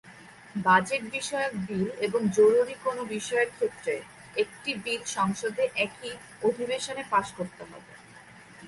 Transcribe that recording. Budget বিষয়ক bill এবং জরুরী কোনো বিষয়ের ক্ষেত্রে, একটি বিল সংসদে একই অধিবেশনে পাস করতে হবে।